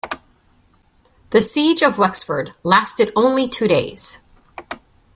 The Siege of Wexford lasted only two days.